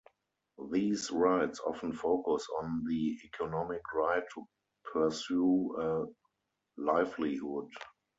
These rights often focus on the economic right to pursue a livelihood.